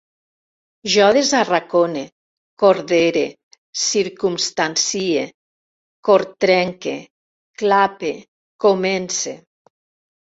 Jo desarracone, cordere, circumstancie, cortrenque, clape, comence